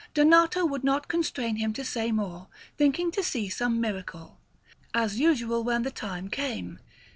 Donato would not constrain him to say more, thinking to see some miracle, as usual, when the time came.